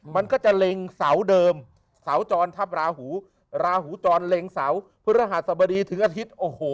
มันก็จะเล็งเสาเดิมเสาจรทัพราหูราหูจรเล็งเสาเพื่อรหัสสมดีถึงอธิศ